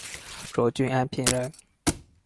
涿郡安平人。